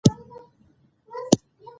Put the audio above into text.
د کورنیو تولیداتو په زیاتیدو سره بیې کمیږي.